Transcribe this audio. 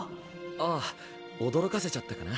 ああ驚かせちゃったかな？